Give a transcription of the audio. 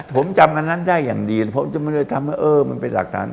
ผมจำอันนั้นได้อย่างดีผมจะไม่ได้ทำให้เออมันเป็นหลักฐาน